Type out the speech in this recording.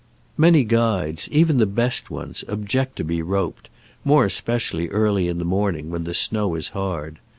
Many guides, even the best ones, object to be roped, more especially early in the morning, when the snow is hard.